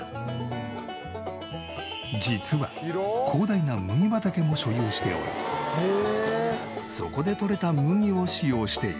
実は広大な麦畑も所有しておりそこで取れた麦を使用している。